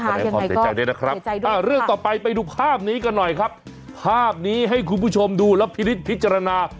เห็นใจด้วยนะครับอ่าเรื่องต่อไปไปดูภาพนี้กันหน่อยครับภาพนี้ให้คุณผู้ชมดูแล้วพิฤติพิจารณา